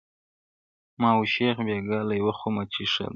ما و شیخ بېګا له یو خومه چيښله,